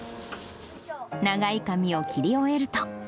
長い髪を切り終えると。